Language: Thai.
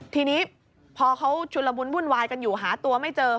ทีนี้พอเขาชุนละมุนวุ่นวายกันอยู่หาตัวไม่เจอ